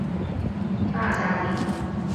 每周都有上万新会员加入沙发客旅行大家庭。